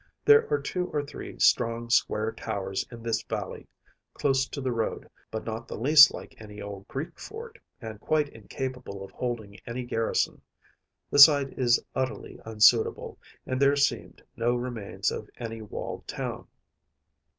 There are two or three strong square towers in this valley, close to the road, but not the least like any old Greek fort, and quite incapable of holding any garrison. The site is utterly unsuitable, and there seemed no remains of any walled town.